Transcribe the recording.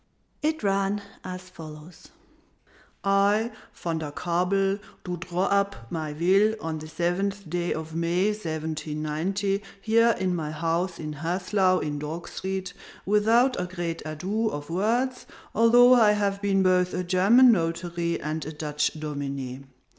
It ran as follows: "I, Van der Kabel, do draw up my will on this seventh day of May 179 , here in my house in Haslau, in Dog Street, without a great ado of words, although I have been both a German notary and a Dutch dominé.